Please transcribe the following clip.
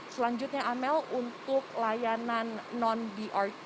selanjutnya amel untuk layanan bus transjakarta